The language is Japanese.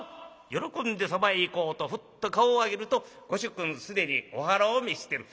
喜んでそばへ行こうとふっと顔を上げるとご主君既にお腹を召してる。